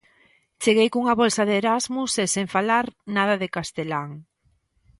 Cheguei cunha bolsa de Erasmus e sen falar nada de castelán.